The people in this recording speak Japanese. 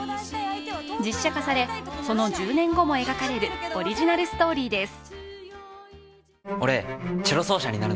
実写化され、その１０年後を描かれるオリジナルストーリーです。